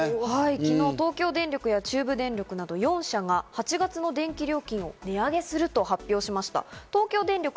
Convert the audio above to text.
昨日、東京電力や中部電力など４社が８月の電気料金を値上げすると発表しました。